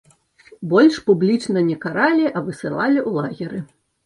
Больш публічна не каралі, а высылалі ў лагеры.